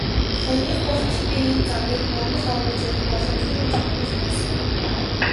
Саяхныг болтол би энэ загварыг Монголд оруулж ирэх боломжгүй гэж бодож байсан.